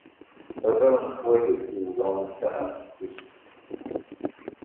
Arraw n xwali zedɣen tama n teftist.